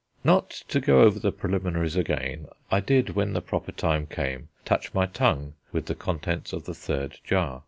Not to go over the preliminaries again, I did, when the proper time came, touch my tongue with the contents of the third jar.